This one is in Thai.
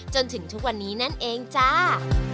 จนถึงทุกวันนี้นั่นเองจ้า